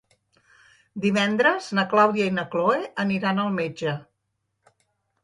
Divendres na Clàudia i na Cloè aniran al metge.